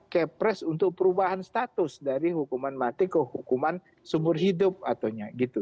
kepres untuk perubahan status dari hukuman mati ke hukuman seumur hidup ataunya gitu